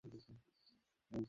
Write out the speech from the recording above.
আমাদেরকে আলাদা করে ফেলবে!